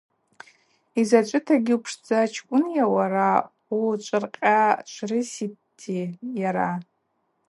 Йзачӏвытагьи упшдзачкӏвынйа уара, учвыркъьа-чврыситӏи йара.